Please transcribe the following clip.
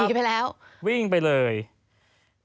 อันนี้คือวิ่งหนีไปแล้ว